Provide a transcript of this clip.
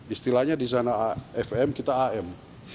istilahnya di sana fm kita am